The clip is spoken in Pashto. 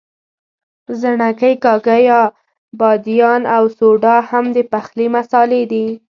ځڼکۍ، کاږه یا بادیان او سوډا هم د پخلي مسالې دي.